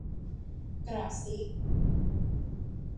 กระซิก